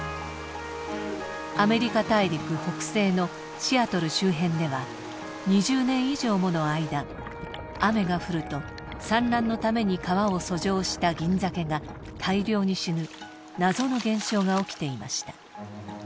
アメリカ大陸北西のシアトル周辺では２０年以上もの間雨が降ると産卵のために川を遡上したギンザケが大量に死ぬ謎の現象が起きていました。